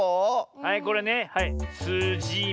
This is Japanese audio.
はいこれねはいす・じ・み。